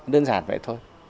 đơn giản vậy thôi